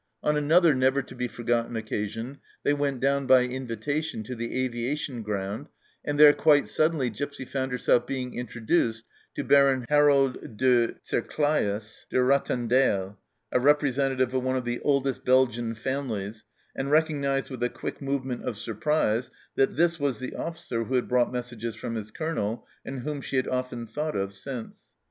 On another never to be forgotten occasion they w r ent down by invitation to the aviation ground, and there quite suddenly Gipsy found herself being introduced to Baron Harold de T'Serclaes de Rattendael, a representative of one of the oldest Belgian families, and recognized with a quick move ment of surprise that this was the officer who had brought messages from his Colonel, and whom she had often thought of since.